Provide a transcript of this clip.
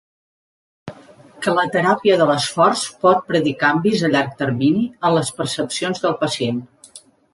Que la teràpia de l'esforç pot predir canvis a llarg termini en les percepcions del pacient.